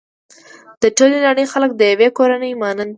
د ټولې نړۍ خلک د يوې کورنۍ مانند دي.